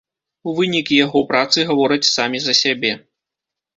Вынікі яго працы гавораць самі за сябе.